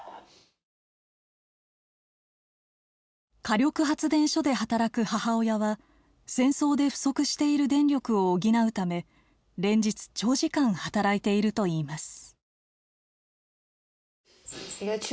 火力発電所で働く母親は戦争で不足している電力を補うため連日長時間働いているといいます。